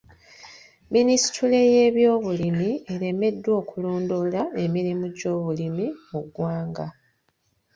Minisitule y'ebyobulimi eremereddwa okulondoola emirimu gy'obulimi mu ggwanga.